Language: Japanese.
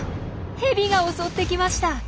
ヘビが襲ってきました！